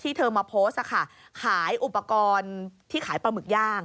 เธอมาโพสต์ขายอุปกรณ์ที่ขายปลาหมึกย่าง